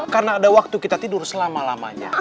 karena ada waktu kita tidur selama lamanya